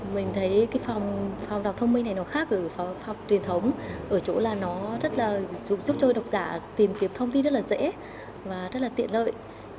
mình thấy phòng đọc thông minh này nó khác với phòng truyền thống ở chỗ là nó giúp cho đọc giả tìm kiếm thông tin rất là dễ và rất là tiện lợi